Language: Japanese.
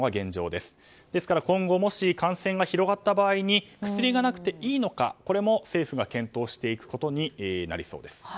ですから今後もし感染が広がった場合に薬がなくていいのかこれも政府が検討していくことになりそうです。